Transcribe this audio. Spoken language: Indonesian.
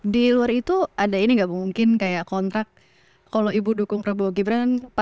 di luar itu ada ini gak mungkin kayak kontrak kalau ibu dukung prabowo gibrang